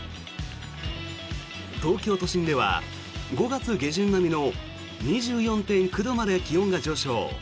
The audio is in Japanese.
東京都心では５月下旬並みの２４．９度まで気温が上昇。